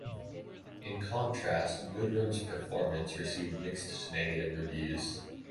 In contrast, Goodrem's performance received mixed to negative reviews.